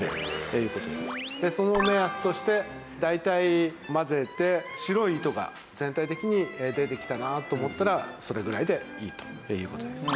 その目安として大体混ぜて白い糸が全体的に出てきたなと思ったらそれぐらいでいいという事です。